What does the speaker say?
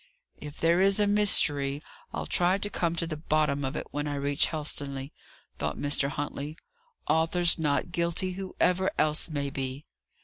"If there is a mystery, I'll try to come to the bottom of it, when I reach Helstonleigh," thought Mr. Huntley. "Arthur's not guilty, whoever else may be."